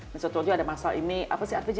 misalnya ada masalah ini apa sih artisnya